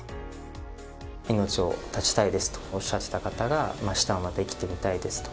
「命を絶ちたいです」とおっしゃってた方が「明日もまた生きてみたいです」と。